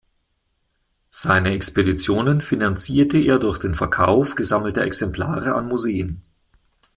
Seine Expeditionen finanzierte er durch den Verkauf gesammelter Exemplare an Museen.